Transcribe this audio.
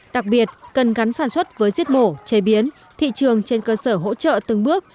đặc biệt cần gắn sản xuất với giết mổ chế biến thị trường trên cơ sở hỗ trợ từng bước